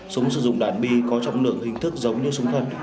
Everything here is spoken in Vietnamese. súng sử dụng đạn bi có trọng lượng hình thức giống như súng thần